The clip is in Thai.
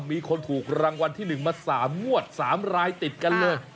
มีคนถูกรางวัลที่หนึ่งมาสามงวดสามรายติดกันเลย